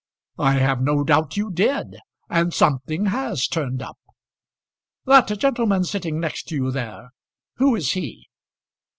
"I have no doubt you did, and something has turned up. That gentleman sitting next to you there, who is he?"